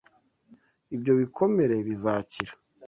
Ibyo bikomere bizakira?